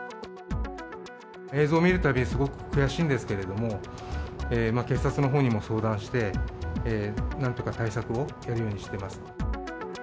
映像見るたび、すごく悔しいんですけども、警察のほうにも相談して、なんとか対策をやるようにしてます。